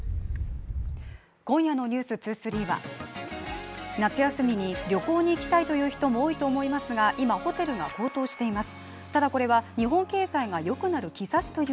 今夜の「ｎｅｗｓ２３」は夏休みに旅行に行きたいという人も多いと思いますが、今ホテルが高騰しています。